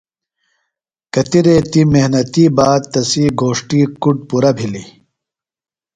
کتیۡ ریتی محنتیۡ باد تسی گھوݜٹی کُڈ پُرہ بِھلیۡ۔